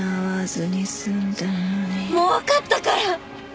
もうわかったから！